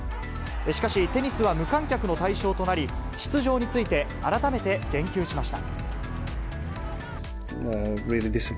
しかし、テニスは無観客の対象となり、出場について改めて言及しました。